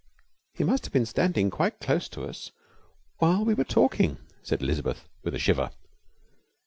'He must have been standing quite close to us while we were talking,' said Elizabeth, with a shiver.